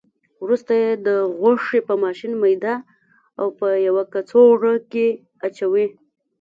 وروسته یې د غوښې په ماشین میده او په یوه کڅوړه کې اچوي.